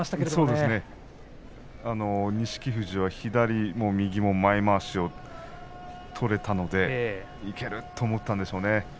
富士は左も右も前まわしを取れたので、いけると思ったんでしょうね。